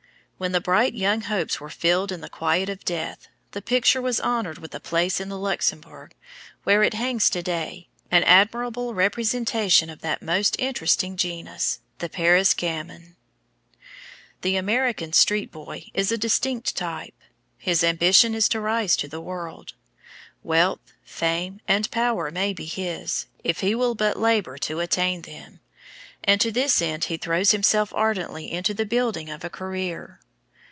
When the bright young hopes were stilled in the quiet of death, the picture was honored with a place in the Luxembourg, where it hangs to day, an admirable representation of that most interesting genus, the Paris gamin. The American street boy is a distinct type: his ambition is to rise in the world. Wealth, fame, and power may be his, if he will but labor to attain them, and to this end he throws himself ardently into the building of a career.